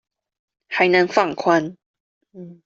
還能放寬